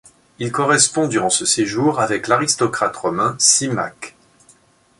Il correspond durant ce séjour avec l'aristocrate romain Symmaque.